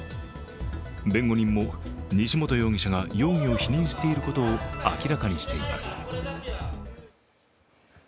弁護人も西本容疑者が容疑を否認していることを明らかにしています。